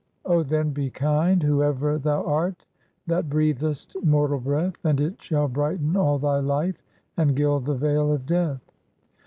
O, then, be kind, whoe'er thou art That breathest mortal breath, And it shall brighten all thy life, And gild the vale of death."